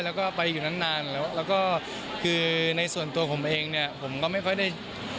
แล้วก็ไปอยู่นานนานแล้วแล้วก็คือในส่วนตัวผมเองเนี่ยผมก็ไม่ค่อยได้